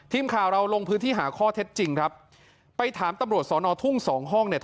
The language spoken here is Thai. ทีมข่าวเราลงพื้นที่หาข้อเท็จจริงครับไปถามตำรวจสอนอทุ่งสองห้องเนี่ย